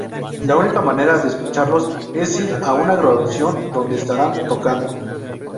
La única manera de escucharlos es ir a una graduación donde estarán tocando.